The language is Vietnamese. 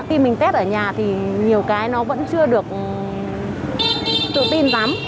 khi mình test ở nhà thì nhiều cái nó vẫn chưa được tự tin rắm